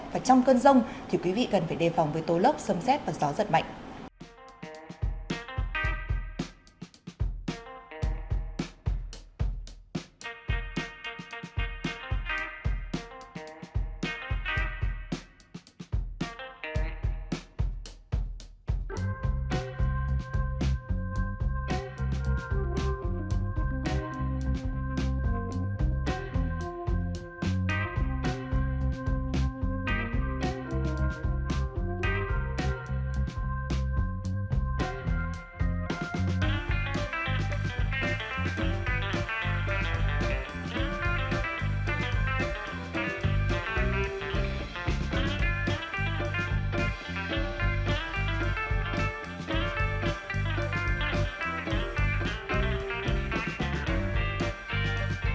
và trong cơn rông thì quý vị cần phải đề phòng với tối lốc sâm xét và gió rất mạnh